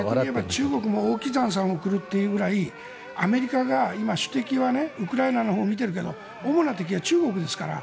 中国もオウ・キザンさんを送るというぐらいアメリカが今、主敵はウクライナのほうを見ているけど主な敵は中国ですから。